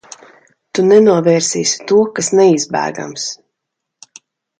Tu nenovērsīsi to, kas neizbēgams.